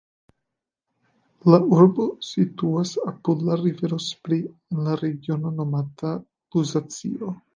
La urbo situas apud la rivero Spree en la regiono nomata Luzacio.